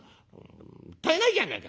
『もったいないじゃないか。